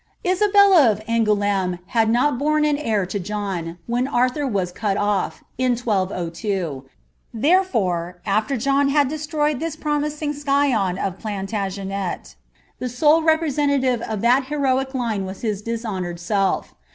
Isabella nf Angoul^me had not bnrne an beir (o John, when Arlhnr wu cut ofl^ in 1202 ; thererore, after John had desiioyed this promrnng scion of Plantagenet, the sole represenlalive nf that heroic line wm hn (lishonoured self.'